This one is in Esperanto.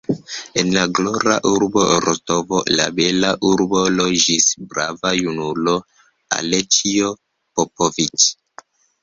En la glora urbo Rostovo, la bela urbo, loĝis brava junulo, Aleĉjo Popoviĉ.